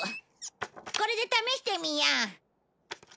これで試してみよう！